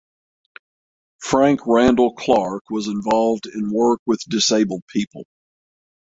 Frank Randall Clarke was involved in work with disabled people.